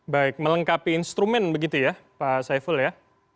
baik melengkapi instrumen begitu ya pak saiful ya